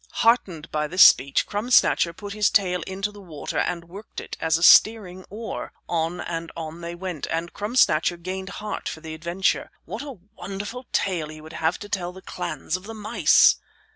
Heartened by this speech, Crumb Snatcher put his tail into the water and worked it as a steering oar. On and on they went, and Crumb Snatcher gained heart for the adventure. What a wonderful tale he would have to tell to the clans of the mice!